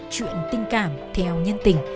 chuyện tình cảm theo nhân tình